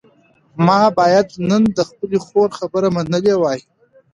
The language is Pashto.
ما باید نن د خپلې خور خبره منلې وای.